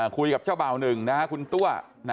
คุยกับเจ้าบ่าวนึงนะครับคุณตัว